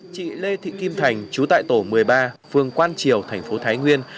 chị lê thị kim thành chú tại tổ một mươi ba phương quan triều tp thái nguyên